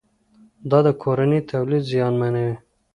دا د کورني تولید زیانمنوي.